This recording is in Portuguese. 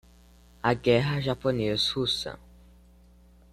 A Guerra Japonês-Russa